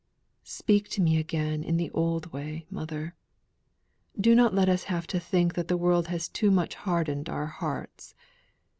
Speak to me again in the old way, mother. Do not let us have to think that the world has too much hardened our hearts.